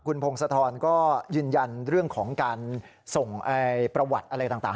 คุณพงศธรก็ยืนยันเรื่องของการส่งประวัติอะไรต่าง